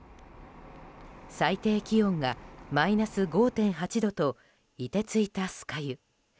最低気温がマイナス５．８度と凍てついた酸ヶ湯。